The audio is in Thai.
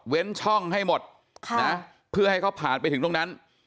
ช่องให้หมดเพื่อให้เขาผ่านไปถึงตรงนั้น